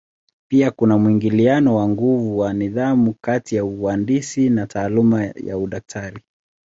Pia kuna mwingiliano wa nguvu wa nidhamu kati ya uhandisi na taaluma ya udaktari.